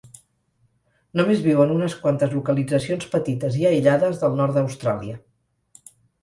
Només viu en unes quantes localitzacions petites i aïllades del nord d'Austràlia.